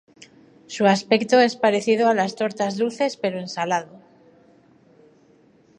Su aspecto es parecido a las tortas dulces, pero en salado.